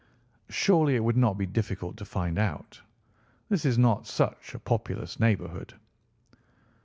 "Surely it would not be difficult to find out. This is not such a populous neighbourhood."